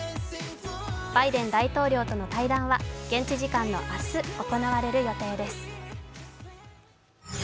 バイデン大統領との対談は、現地時間の明日行われる予定です。